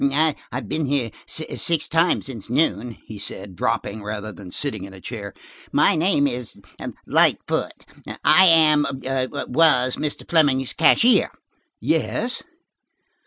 "I have been here six times since noon," he said, dropping rather than sitting in a chair. "My name is Lightfoot. I am–was–Mr. Fleming's cashier." "Yes?"